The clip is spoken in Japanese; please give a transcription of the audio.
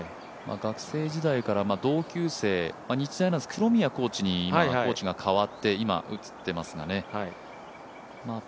学生時代から同級生、黒宮コーチにコーチが代わって移ってますが。